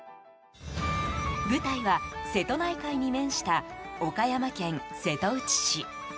舞台は、瀬戸内海に面した岡山県瀬戸内市。